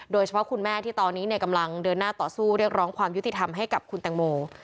คุณแม่ที่ตอนนี้กำลังเดินหน้าต่อสู้เรียกร้องความยุติธรรมให้กับคุณแตงโม